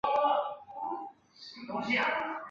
卡尔滕韦斯泰姆是德国图林根州的一个市镇。